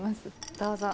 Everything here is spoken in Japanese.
どうぞ。